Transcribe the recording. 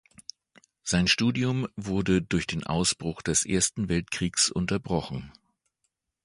Sein Studium wurde durch den Ausbruch des Ersten Weltkriegs unterbrochen.